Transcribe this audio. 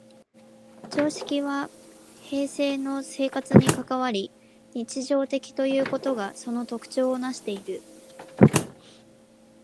常識は平生の生活に関わり、日常的ということがその特徴をなしている。